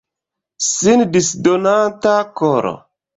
Sin disdonanta koro.